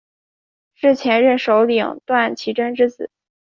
是前任首领段乞珍之子。